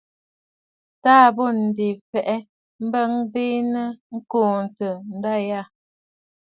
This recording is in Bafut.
Taà bô ǹdè fɛʼɛ, bɔɔ bênə̀ ŋ̀kɔɔntə nda yâ.